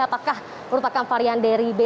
apakah merupakan varian dari b enam belas